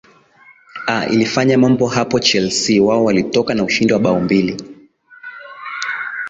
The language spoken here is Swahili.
aa ilifanya mambo hapo chelsea wao walitoka na ushindi wa bao mbili